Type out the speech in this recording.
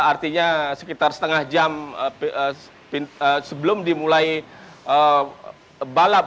artinya sekitar setengah jam sebelum dimulai balap